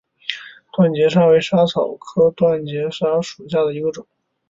断节莎为莎草科断节莎属下的一个种。